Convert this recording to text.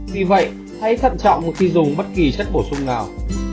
vì vậy hãy thận trọng khi dùng bất kỳ chất bổ sung nào